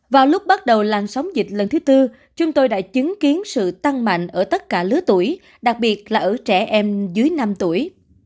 vào lúc bắt đầu làn sóng dịch lần thứ tư chúng tôi đã chứng kiến sự tăng mạnh ở tất cả lứa tuổi đặc biệt là ở trẻ em dưới năm tuổi